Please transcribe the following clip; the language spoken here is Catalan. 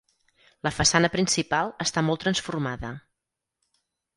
La façana principal està molt transformada.